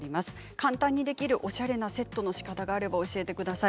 簡単にできるおしゃれなセットのしかたがあれば教えてください。